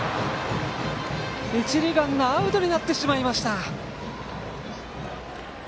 一塁ランナーアウトになってしまいました。